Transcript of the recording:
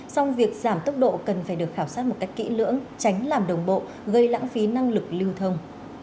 song việc giảm tốc độ cần phải được khảo sát một cách kỹ lưỡng tránh làm đồng bộ gây lãng phí năng lực lưu thông